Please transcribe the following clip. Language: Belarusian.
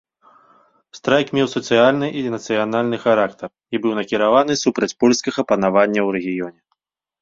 Страйк меў сацыяльны і нацыянальны характар і быў накіраваны супраць польскага панавання ў рэгіёне.